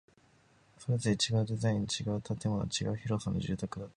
それぞれ違うデザイン、違う建材、違う広さの住宅だった